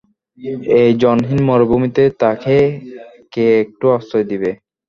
এই জনহীন মরুভূমিতে তাকে কে একটু আশ্রয় দিবে?